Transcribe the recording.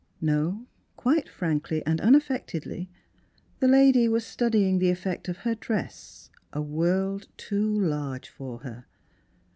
No ; quite frankly and unaffectedly the lady was studying the effect of her dress, a world too large for her.